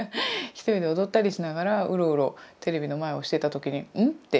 一人で踊ったりしながらウロウロテレビの前をしていた時にうん？って。